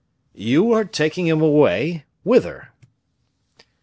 "You are taking him away, whither?"